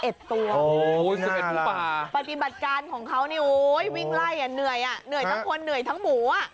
โอ้ย๑๑ผู้ป่าปฏิบัติการของเขานี่วิ่งไล่เหนื่อยเหนื่อยทั้งคนเหนื่อยทั้งหมู